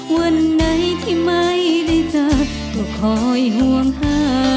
วันไหนที่ไม่ได้เจอก็คอยห่วงเธอ